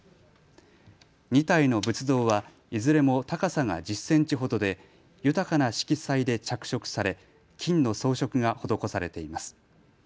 ２体の仏像はいずれも高さが１０センチほどで豊かな色彩で着色され金の装飾が施されています。